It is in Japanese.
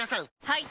はい！